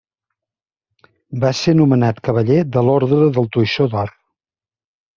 Va ser nomenat cavaller de l'Orde del Toisó d'Or.